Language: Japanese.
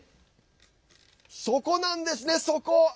そこなんですね、そこ！